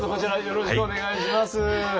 よろしくお願いします。